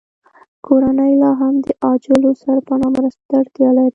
کورنۍ لاهم د عاجلو سرپناه مرستو ته اړتیا لري